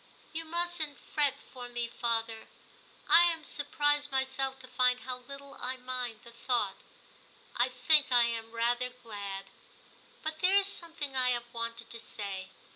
*You mustn't fret for me, father; I am surprised myself to find how little I mind the thought ; I think I am rather glad. But there is something I have wanted to say.